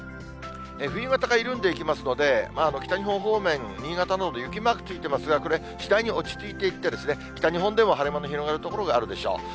冬型が緩んでいきますので、北日本方面、新潟のほうで、雪マークついてますが、これ、次第に落ち着いていって、北日本でも晴れ間の広がる所があるでしょう。